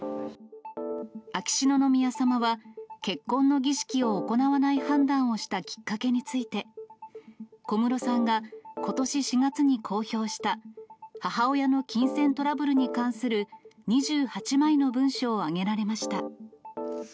秋篠宮さまは、結婚の儀式を行わない判断をしたきっかけについて、小室さんがことし４月に公表した、母親の金銭トラブルに関する２８枚の文書を挙げられました。